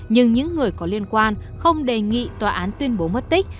nhưng những người có liên quan không đề nghị tòa án tuyên bố mất tích